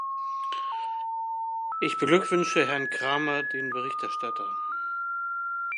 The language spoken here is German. Ich beglückwünsche Herrn Krahmer, den Berichterstatter.